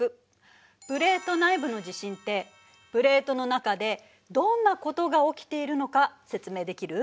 プレート内部の地震ってプレートの中でどんなことが起きているのか説明できる？